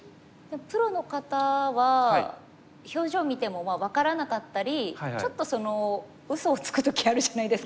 プロの方は表情見ても分からなかったりちょっとうそをつく時あるじゃないですか。